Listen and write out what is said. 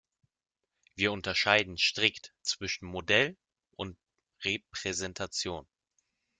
Wir unterscheiden strikt zwischen Modell und Repräsentation.